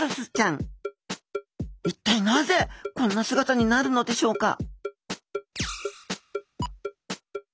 一体なぜこんな姿になるのでしょうか？